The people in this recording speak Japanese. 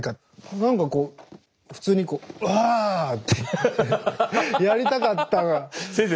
何かこう普通にこうわあってやりたかった。